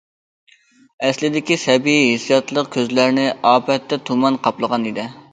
ئەسلىدىكى سەبىي ھېسسىياتلىق كۆزلەرنى ئاپەتتە تۇمان قاپلىغان ئىدى.